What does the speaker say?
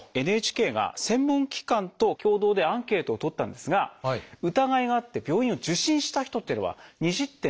ＮＨＫが専門機関と共同でアンケートを取ったんですが疑いがあって病院を受診した人っていうのは２０．３％。